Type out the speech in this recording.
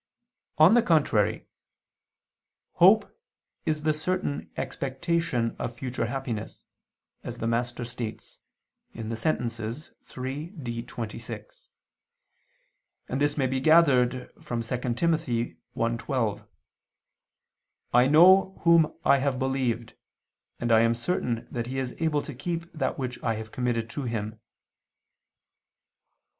On the contrary, "Hope is the certain expectation of future happiness," as the Master states (Sent. iii, D, 26): and this may be gathered from 2 Tim. 1:12, "I know Whom I have believed, and I am certain that He is able to keep that which I have committed to Him."